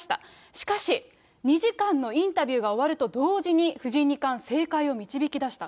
しかし、２時間のインタビューが終わると同時に藤井二冠、正解を導き出した。